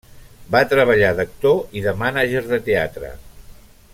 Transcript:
Va treballar d'actor i de mànager de teatre.